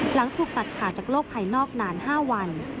หลังถูกตัดขาดจากโลกภายนอกนาน๕วัน